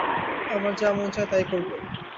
আমার যা মন চায় তাই করবো।